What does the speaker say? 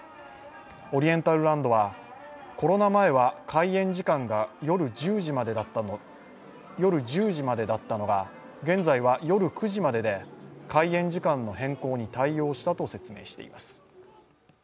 オリエンタルランドはコロナ前は、開園時間が夜１０時までだったのが現在は夜９時までで開園時間の変更に対応したと説明しています。